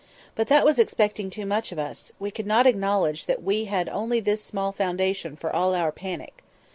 But that was expecting too much of us; we could not acknowledge that we had only had this small foundation for all our panic.